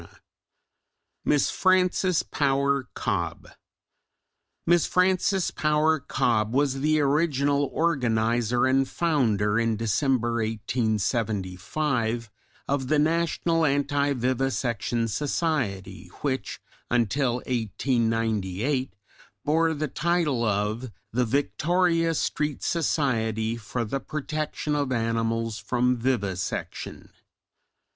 CHAPTER II: MISS FRANCES POWER COBBE Miss Frances Power Cobbe was the original organiser and founder in December, 1875, of the National Anti Vivisection Society which until 1898 bore the Title of the Victoria Street Society for the protection of animals from vivisection.